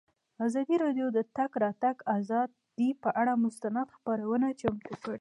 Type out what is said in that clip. ازادي راډیو د د تګ راتګ ازادي پر اړه مستند خپرونه چمتو کړې.